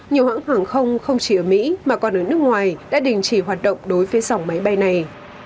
nhiều hãng hàng không không chỉ ở mỹ mà còn ở nước ngoài đã đình chỉ hoạt động đối với dòng máy bay này